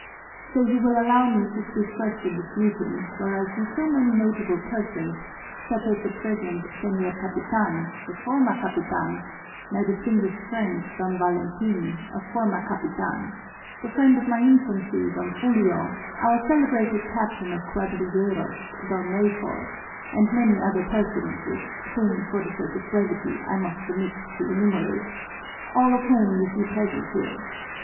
So you will allow me to speak first in this meeting where I see so many notable persons, such as the present señor capitan, the former capitan; my distinguished friend, Don Valentin, a former capitan; the friend of my infancy, Don Julio; our celebrated captain of cuadrilleros, Don Melchor; and many other personages, whom, for the sake of brevity, I must omit to enumerate all of whom you see present here.